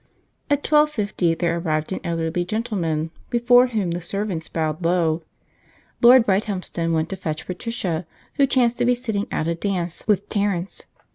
At twelve fifty there arrived an elderly gentleman, before whom the servants bowed low. Lord Brighthelmston went to fetch Patricia, who chanced to be sitting out a dance with Terence.